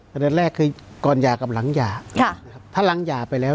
เวลาแรกคือก่อนหญากับหลังหญาค่ะครับถ้าหลังหญาไปแล้ว